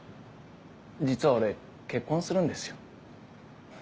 実は俺結婚するんですよ。